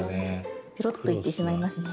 ペロッといってしまいますね。